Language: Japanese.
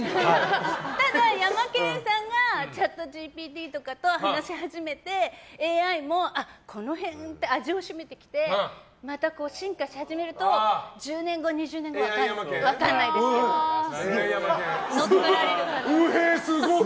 ただ、ヤマケンさんがチャットＧＰＴとかと話し始めて、ＡＩもこの辺かって味を占めてきてまた進化し始めると１０年後、２０年後はうへえすごい。